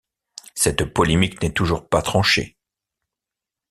Cette polémique n'est toujours pas tranchée.